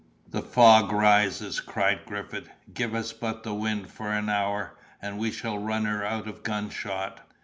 "The fog rises!" cried Griffith; "give us but the wind for an hour, and we shall run her out of gunshot!"